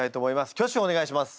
挙手をお願いします。